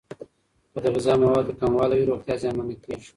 که د غذا موادو کموالی وي، روغتیا زیانمن کیږي.